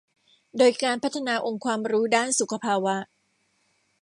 โดยการพัฒนาองค์ความรู้ด้านสุขภาวะ